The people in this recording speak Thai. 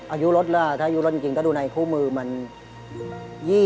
อายุรถล่ะอายุรถจริงถ้าดูในคู่มือมัน๒๗ปี